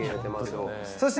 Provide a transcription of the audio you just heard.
そして！